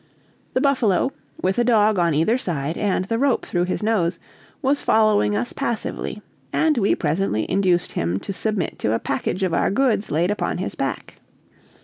The buffalo, with a dog on either side and the rope through his nose, was following us passively, and we presently induced him to submit to a package of our goods laid upon his back.